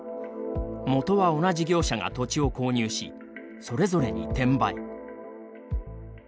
元は同じ業者が土地を購入しそれぞれに転売。